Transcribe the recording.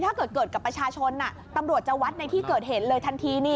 ถ้าเกิดเกิดกับประชาชนตำรวจจะวัดในที่เกิดเหตุเลยทันทีนี่